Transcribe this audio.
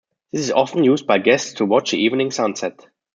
This is often used by guests to watch the evening sunset.